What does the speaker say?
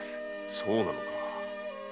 そうなのか。